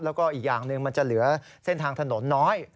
แล้วก็อีกอย่างหนึ่งมันจะเหลือเส้นทางถนนน้อย